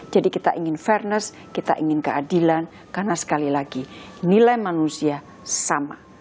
jadi kita ingin fairness kita ingin keadilan karena sekali lagi nilai manusia sama